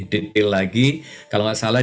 detail lagi kalau nggak salah